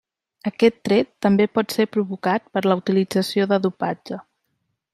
Aquest tret també pot ser provocat per la utilització de dopatge.